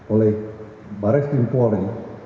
oleh baris timpore